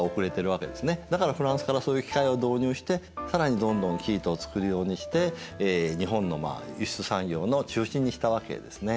だからフランスからそういう機械を導入して更にどんどん生糸をつくるようにして日本の輸出産業の中心にしたわけですね。